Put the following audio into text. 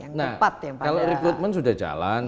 nah kalau recruitment sudah jalan